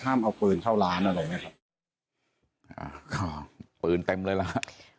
ห้ามเอาปืนเข้าร้านอะหรอกไหมครับอ่าปืนเต็มเลยละค่ะ